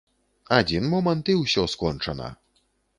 Адзін момант, і ўсё скончана.